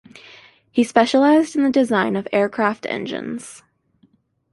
He specialised in the design of aircraft engines.